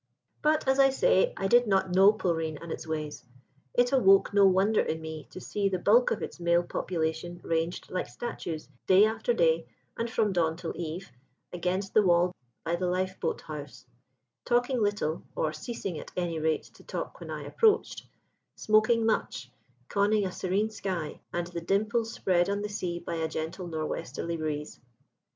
"But, as I say, I did not know Polreen and its ways. It awoke no wonder in me to see the bulk of its male population ranged like statues, day after day, and from dawn till eve, against the wall by the lifeboat house, talking little (or ceasing, at any rate, to talk when I approached), smoking much, conning a serene sky, and the dimples spread on the sea by a gentle nor' westerly breeze.